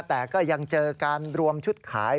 แต่ก็ยังเจอการรวมชุดขาย